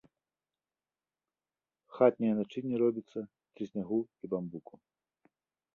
Хатняе начынне робіцца з трыснягу і бамбуку.